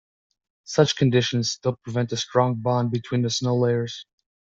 Such conditions still prevent a strong bond between the snow layers.